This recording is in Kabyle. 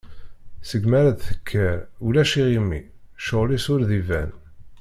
Segmi ara d-tekker, ulac iɣimi, ccɣel-is ur d-iban.